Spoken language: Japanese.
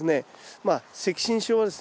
まあ赤芯症はですね